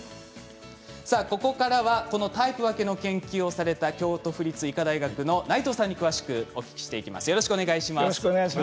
ここからはこのタイプ分けの研究をされた京都府立医科大学の内藤さんに詳しくお聞きしていきます。